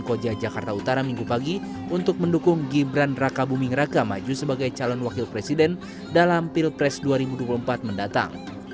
koja jakarta utara minggu pagi untuk mendukung gibran raka buming raka maju sebagai calon wakil presiden dalam pilpres dua ribu dua puluh empat mendatang